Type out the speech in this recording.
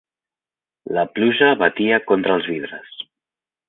La pluja batia contra els vidres.